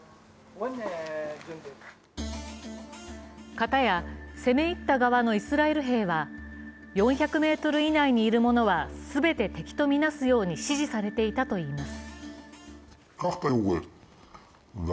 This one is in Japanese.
片や、攻め入った側のイスラエル兵は４００ｍ以内にいる者は全て敵とみなすように指示されていたといいます。